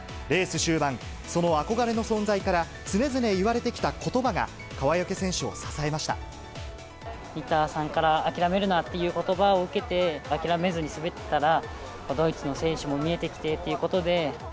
レース終盤、その憧れの存在から常々言われてきたことばが、川除選手を支えま新田さんから、諦めるなということばを受けて、諦めずに滑ってたら、ドイツの選手も見えてきてということで。